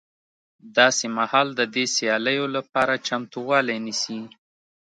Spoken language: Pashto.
داسې مهال د دې سیالیو لپاره چمتوالی نیسي